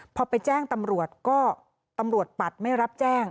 พอไปแจ้งตำรวจก็ตำรวจปัดไม่รับแจ้ง